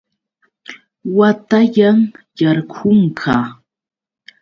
Watayan. warkunqa.